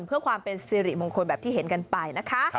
เพื่อความเป็นสิริมงคลแบบที่เห็นกันไปนะคะ